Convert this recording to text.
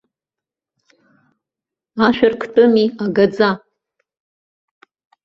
Ашә арктәыми, агаӡа!